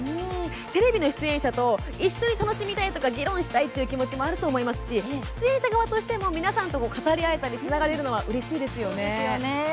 テレビの出演者と一緒に楽しみたいとか議論したいという気持ちもありますし出演者側としても皆さんと語り合えるのはうれしいですよね。